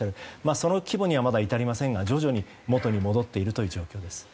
その規模にはまだ至りませんが徐々に元に戻っているという状況です。